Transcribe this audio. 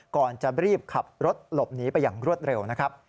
ก่อนจะรีบขับรถหลบหนีไปอย่างรวดเร็วนะครับ